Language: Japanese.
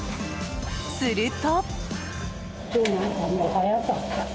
すると。